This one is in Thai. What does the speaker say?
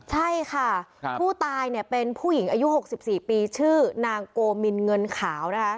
ใช่ค่ะผู้ตายเนี่ยเป็นผู้หญิงอายุ๖๔ปีชื่อนางโกมินเงินขาวนะคะ